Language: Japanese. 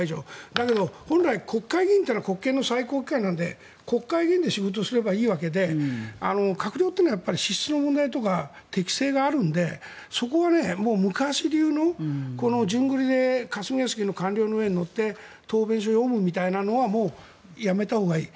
国会議員は国権の最高機関なので国会議員で仕事をすればいいわけで閣僚というのは資質の問題とか適性があるのでそこは昔流の順繰りで霞が関の閣僚の上に乗って答弁書を読むみたいなのはもうやめたほうがいい。